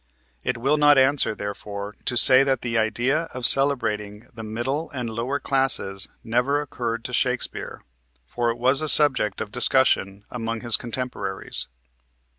It will not answer, therefore, to say that the idea of celebrating the middle and lower classes never occurred to Shakespeare, for it was a subject of discussion among his contemporaries.